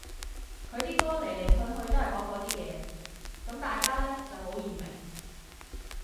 佢啲歌嚟嚟去去都係講嗰啲嘢，咁大家呢就好易明